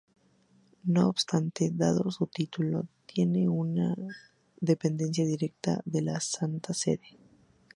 No obstante dado su título tiene una dependencia directa de la Santa Sede.